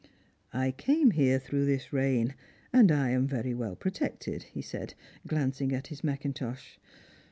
" I came here through this rain, and I am very well pro tected," he said, glancing at his macintosh.